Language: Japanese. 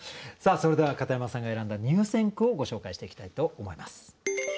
さあそれでは片山さんが選んだ入選句をご紹介していきたいと思います。